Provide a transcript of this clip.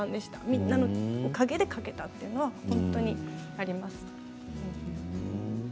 みんなのおかげで書けたというのがすごくあります。